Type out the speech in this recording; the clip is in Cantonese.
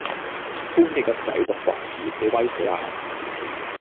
恭喜你個仔讀博士，你威水啦